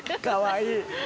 かわいい！